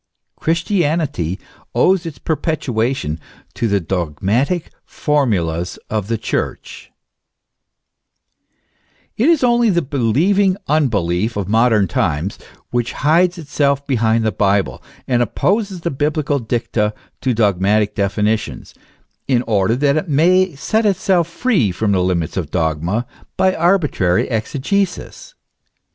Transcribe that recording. Christianity owes its perpetuation to the dogmatic formulas of the Church, It is only the believing unbelief of modern times which hides itself behind the Bible, and opposes the biblical dicta to dog matic definitions, in order that it may set itself free from the limits of dogma by arbitrary exegesis.